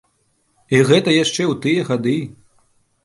І гэта яшчэ ў тыя гады!